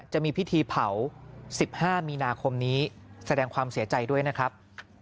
จะมีพิธีเผา๑๕มีนาคมนี้แสดงความเสียใจด้วยนะครับ